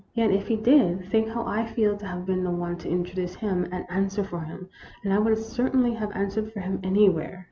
Yet if he did, think how I feel to have been the one to in troduce him and answer for him, and I would cer tainly have answered for him anywhere